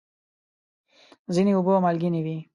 ځینې اوبه مالګینې وي.